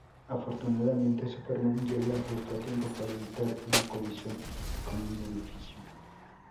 Afortunadamente, Superman llega justo a tiempo para evitar una colisión con un edificio.